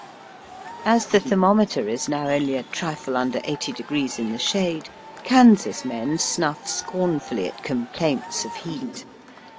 As the thermometer is now only a trifle under 80° in the shade, Kansas men snuff scornfully at complaints of heat.